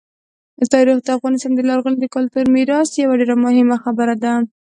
تاریخ د افغانستان د لرغوني کلتوري میراث یوه ډېره مهمه برخه ده.